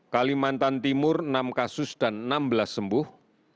kalimantan timur enam kasus dan enam belas sembuh